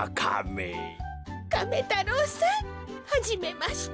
カメ太郎さんはじめまして。